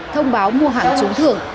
thông báo mua hàng trúng thưởng